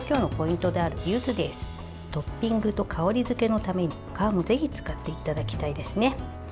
トッピングと香り付けのために皮もぜひ使っていただきたいですね。